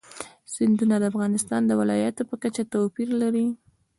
سیندونه د افغانستان د ولایاتو په کچه توپیر لري.